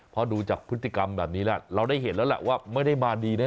พอดูจากพฤติกรรมแบบนี้แล้วเราได้เห็นแล้วแหละว่าไม่ได้มาดีแน่